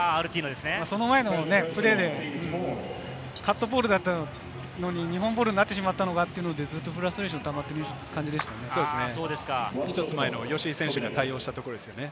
その前のプレーでカットボールだったのに、日本ボールになってしまったのがあって、フラストレーション溜まっている１つ前の吉井選手が対応したところですよね。